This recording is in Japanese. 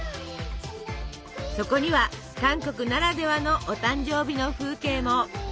そこには韓国ならではのお誕生日の風景も！